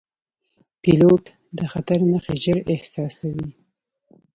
پیلوټ د خطر نښې ژر احساسوي.